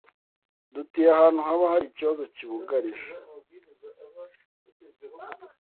Dutuye ahantu haba hari ikibazo kibugarije